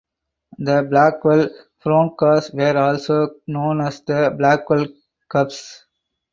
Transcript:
The Blackwell Broncos were also known as the Blackwell Cubs.